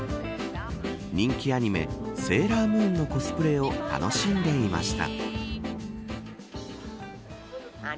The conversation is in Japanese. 人気アニメセーラームーンのコスプレを楽しんでいました。